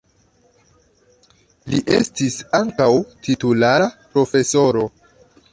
Li estis ankaŭ titulara profesoro.